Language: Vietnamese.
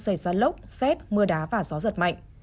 xảy ra lốc xét mưa đá và gió giật mạnh